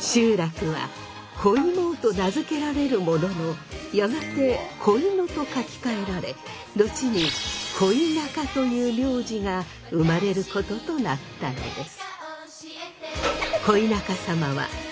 集落は小芋生と名付けられるもののやがて恋野と書き換えられ後に恋中という名字が生まれることとなったのです。